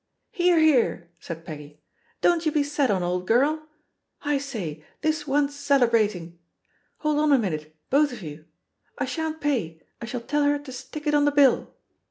"Hear, hear I" said Peggy. *T)on't you be sat on, old girl! I say, this wants celebrating. Hold on a minute, both of you I I shan't pay, I shall tell her to stick it on the bill."